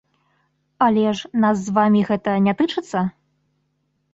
Але ж нас з вамі гэта не тычыцца?